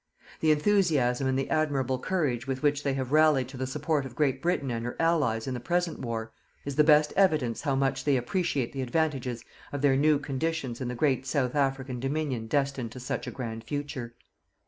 The enthusiasm and the admirable courage with which they have rallied to the support of Great Britain and her Allies in the present war, is the best evidence how much they appreciate the advantages of their new conditions in the great South African Dominion destined to such a grand future.